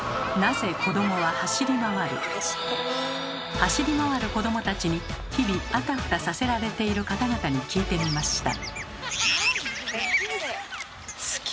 走り回る子どもたちに日々あたふたさせられている方々に聞いてみました。